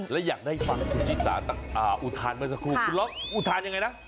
และอยากได้ฟังคุณชิสาอุทานเมื่อสักครู่คุณล็อกอุทานยังไงนะ